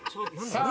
［さあ